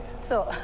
そう。